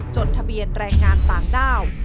ทะเบียนแรงงานต่างด้าว